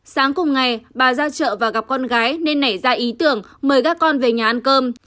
sáng cùng ngày bà ra chợ và gặp con gái nên nảy ra ý tưởng mời các con về nhà ăn cơm